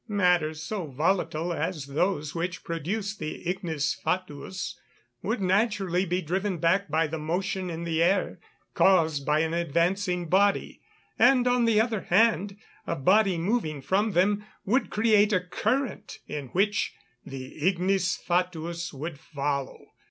Matters so volatile as those which produce the Ignis Fatuus would naturally be driven back by the motion in the air caused by an advancing body; and, on the other hand, a body moving from them would create a current in which the Ignis Fatuus would follow.